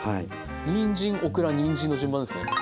にんじんオクラにんじんの順番ですね。